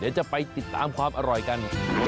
เดี๋ยวจะไปติดตามความอร่อยกัน